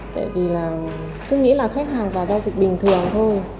tại vì là tôi nghĩ là khách hàng vào giao dịch bình thường thôi